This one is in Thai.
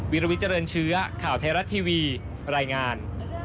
วิลวิเจริญเชื้อข่าวไทยรัฐทีวีรายงาน